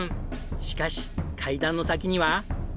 しかし階段の先には。